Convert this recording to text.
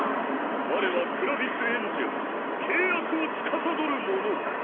われはクラヴィスエンジェモン契約をつかさどる者！